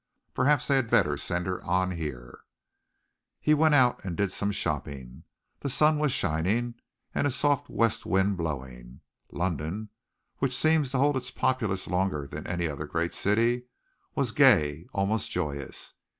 Perhaps they had better send her on here." He went out and did some shopping. The sun was shining, and a soft west wind blowing. London, which seems to hold its populace longer than any other great city, was gay, almost joyous.